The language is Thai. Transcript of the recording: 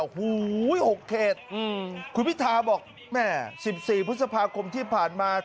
หูย๖เขตคุณพิธาบอก๑๔พฤษภาคมที่ผ่านมา